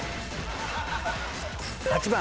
８番。